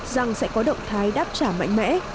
rằng sẽ có động thái đáp trả mạnh mẽ